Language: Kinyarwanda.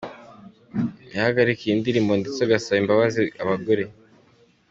yahagarika iyi ndirimbo ndetse agasaba imbabazi abagore.